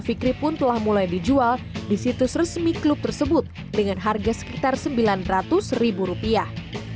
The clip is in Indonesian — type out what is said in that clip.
fikri pun telah mulai dijual di situs resmi klub tersebut dengan harga sekitar sembilan ratus ribu rupiah